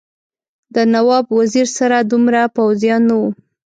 د نواب وزیر سره دومره پوځیان نه وو.